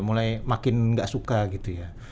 mulai makin gak suka gitu ya